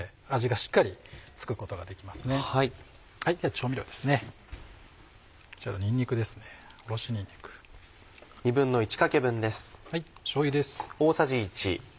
しょうゆです。